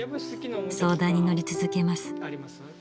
相談にのり続けます。